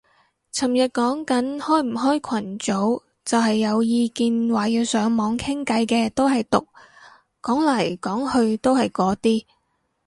尋日講緊開唔開群組，就係有意見話要上網傾偈嘅都係毒，講嚟講去都係嗰啲